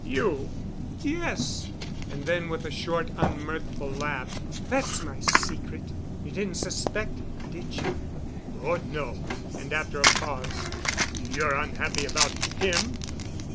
"You?" "Yes." And then, with a short, unmirthful laugh, "That's my secret. You didn't suspect it, did you?" "Lord! no." And after a pause, "You're unhappy about him?"